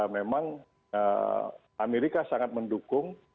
memang amerika sangat mendukung